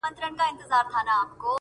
په ټوله کلي کي د دوو خبرو څوک نه لري!